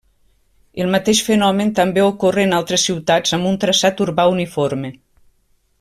El mateix fenomen també ocorre en altres ciutats amb un traçat urbà uniforme.